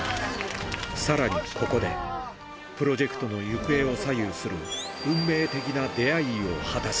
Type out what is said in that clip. さらに、ここで、プロジェクトの行方を左右する運命的な出会いを果たす。